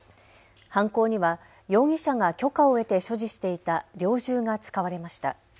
犯行には容疑者が許可を得て所持していた猟銃が使われました。